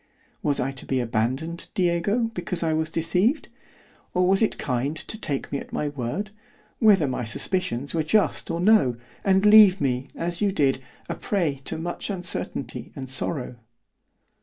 —Was I to be abandoned, Diego, because I was deceived? or was it kind to take me at my word, whether my suspicions were just or no, and leave me, as you did, a prey to much uncertainty and sorrow?